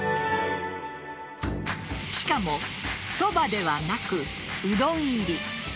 しかもそばではなくうどん入り。